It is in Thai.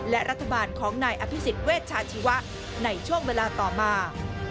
และรัฐบาลของนายอภิษฎเวชชาชีวะในช่วงเวลาต่อมา